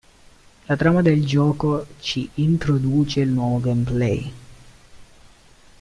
La trama del gioco ci introduce il nuovo gameplay.